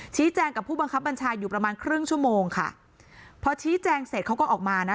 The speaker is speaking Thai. แจ้งกับผู้บังคับบัญชาอยู่ประมาณครึ่งชั่วโมงค่ะพอชี้แจงเสร็จเขาก็ออกมานะ